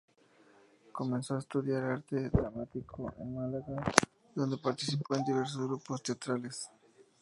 Comenzó a estudiar Arte Dramático en Málaga, donde participó en diversos grupos teatrales.